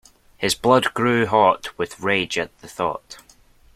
His blood grew hot with rage at the thought.